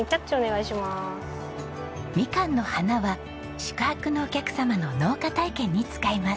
みかんの花は宿泊のお客様の農家体験に使います。